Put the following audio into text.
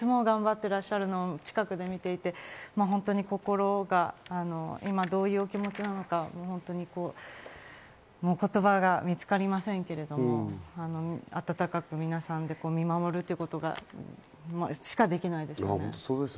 てらっしゃるのを近くで見ていて、本当に心が今どういうお気持ちなのか、言葉が見つかりませんけども、温かく皆さんで見守るっていうことしかできないです。